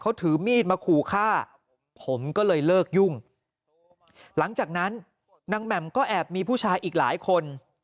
เขาถือมีดมาขู่ฆ่าผมก็เลยเลิกยุ่งหลังจากนั้นนางแหม่มก็แอบมีผู้ชายอีกหลายคน